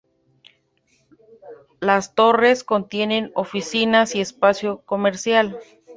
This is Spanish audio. Las torres contienen oficinas y espacio comercial.